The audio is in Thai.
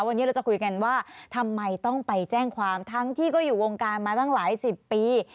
วันนี้เราจะคุยกันว่าทำไมต้องไปแจ้งความทั้งที่ก็อยู่วงการมาตั้งหลายสิบปี